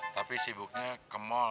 tapi sibuknya ke mall